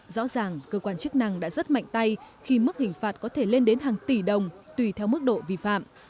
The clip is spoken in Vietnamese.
rõ ràng cơ quan chức năng đã rất mạnh tay khi mức hình phạt có thể lên đến hàng tỷ đồng tùy theo mức độ vi phạm